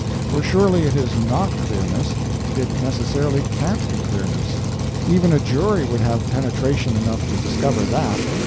For surely it is NOT clearness it necessarily can't be clearness. Even a jury would have penetration enough to discover that.